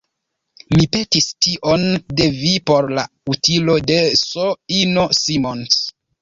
Mi petis tion de vi por la utilo de S-ino Simons.